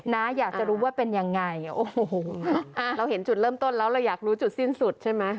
นะอยากจะรู้ว่าเป็นยังไงโอ้โหเราเห็นจุดเริ่มต้นแล้วเราอยากรู้จุดสิ้นสุดใช่ไหม